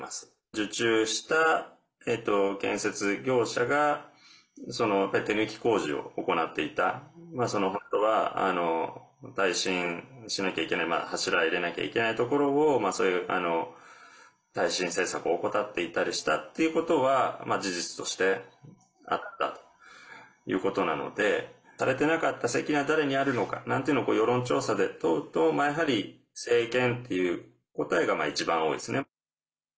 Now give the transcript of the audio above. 受注した建設業者が手抜き工事を行っていた本当は耐震しなきゃいけない柱、入れなきゃいけないところを耐震政策を怠っていたりしたっていうことは事実としてあったということなのでされていなかった責任は誰にあるのかというのなんかを世論調査で問うと、やはり政権という答えが一番多いですね。